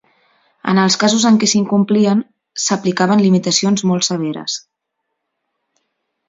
En els casos en què s'incomplien, s'aplicaven limitacions molt severes.